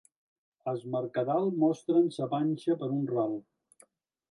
As Mercadal mostren sa panxa per un ral.